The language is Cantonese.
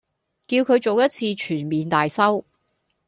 叫佢做一次全面大修